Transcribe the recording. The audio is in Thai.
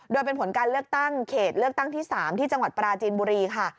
โดยเป็นผลการเลือกตั้งเขตเลือกตั้งที่๓ที่จังหวัดปราจีนบุรีค่ะ